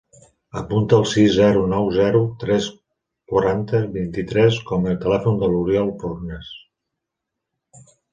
Apunta el sis, zero, nou, zero, tres, quaranta, vint-i-tres com a telèfon de l'Uriel Fornes.